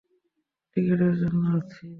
টিকেটের জন্য যাচ্ছি।